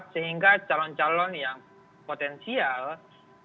sehingga calon calon yang potensial yang punya partai partai tidak ada